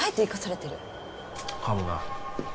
かもな。